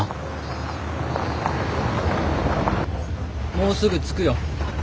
もうすぐ着くよ。